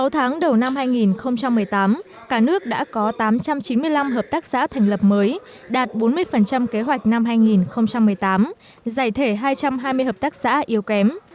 sáu tháng đầu năm hai nghìn một mươi tám cả nước đã có tám trăm chín mươi năm hợp tác xã thành lập mới đạt bốn mươi kế hoạch năm hai nghìn một mươi tám giải thể hai trăm hai mươi hợp tác xã yếu kém